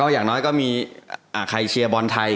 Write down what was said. อย่างน้อยก็มีใครเชียร์บอลไทย